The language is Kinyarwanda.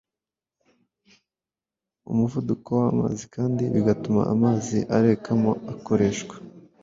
umuvuduko w’amazi kandi bigatuma amazi arekamo akoreshwa